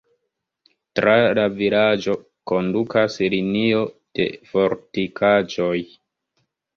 Tra la vilaĝo kondukas linio de fortikaĵoj.